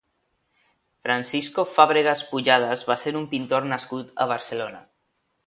Francisco Fábregas Pujadas va ser un pintor nascut a Barcelona.